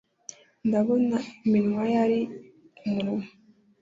ndabona iminwa ye ari umunwa